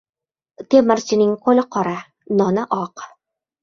• Temirchining qo‘li qora — noni oq.